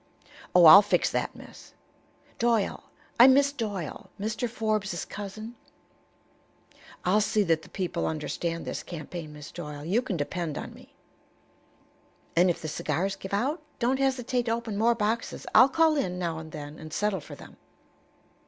"Oh, I'll fix that, Miss " "Doyle. I'm Miss Doyle, Mr. Forbes's cousin." "I'll see that the people understand this campaign, Miss Doyle. You can depend on me." "And if the cigars give out, don't hesitate to open more boxes. I'll call in, now and then, and settle for them."